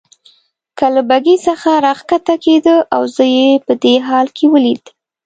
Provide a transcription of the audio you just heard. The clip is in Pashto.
له بګۍ څخه راکښته کېده او زه یې په دې حال کې ولید.